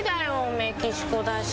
メキシコだし。